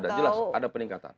ada ada jelas ada peningkatan